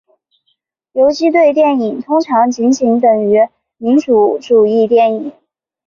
游击队电影通常仅仅等同于平民主义电影。